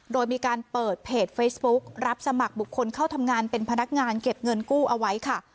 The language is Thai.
โดยมีการเปิดเพจเฟซบุ๊กรับสมัครบุคคลเข้าทำงานเป็นพนักงานเก็บเงินกู้เอาไว้ค่ะ